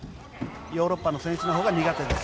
ヨーロッパの選手のほうが苦手です。